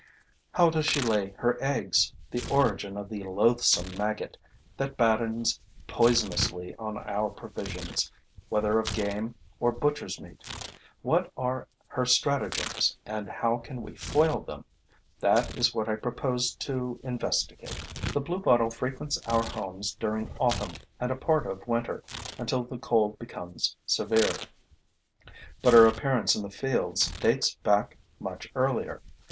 How does she lay her eggs, the origin of the loathsome maggot that battens poisonously on our provisions, whether of game or butcher's meat? What are her stratagems and how can we foil them? This is what I propose to investigate. The bluebottle frequents our homes during autumn and a part of winter, until the cold becomes severe; but her appearance in the fields dates back much earlier.